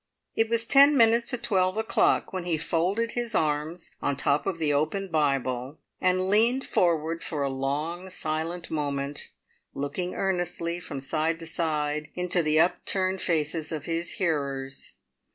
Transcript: It was ten minutes to twelve o'clock when he folded his arms on top of the open Bible, and leant forward for a long, silent moment, looking earnestly from side to side into the upturned faces of his hearers.